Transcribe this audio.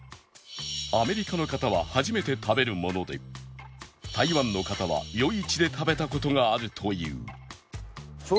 アメリカの方は初めて食べるもので台湾の方は夜市で食べた事があるという